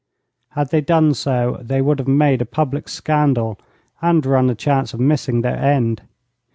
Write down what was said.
'Had they done so they would have made a public scandal, and run a chance of missing their end.